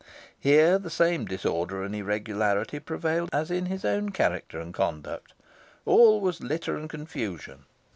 Here the same disorder and irregularity prevailed as in his own character and conduct. All was litter and confusion.